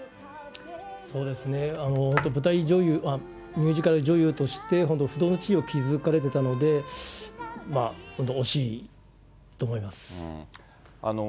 そうですね、本当、舞台女優、ミュージカル女優として、本当、不動の地位を築かれてたので、本当、惜しいと思います。